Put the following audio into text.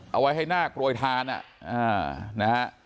เอาไว้ให้น่ากลัวทานนะฮะ